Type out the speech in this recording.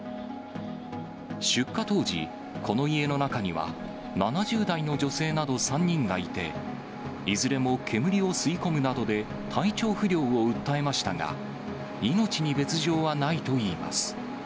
出火当時、この家の中には、７０代の女性など３人がいて、いずれも煙を吸い込むなどで体調不良を訴えましたが、命に別状はないといいます。